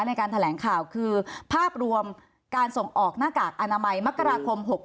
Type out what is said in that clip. ในการแถลงข่าวคือภาพรวมการส่งออกหน้ากากอนามัยมกราคม๖๖